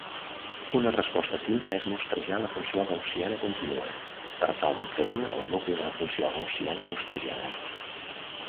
Una resposta simple és mostrejar la funció gaussiana continua per tal d'obtenir el nucli de la funció gaussiana mostrejada.